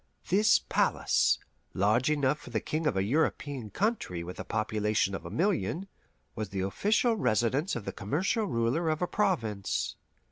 This palace, large enough for the king of a European country with a population of a million, was the official residence of the commercial ruler of a province.